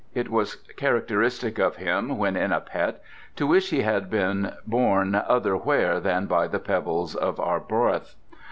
It was characteristic of him, when in a pet, to wish he had been born other where than by the pebbles of Arbroath.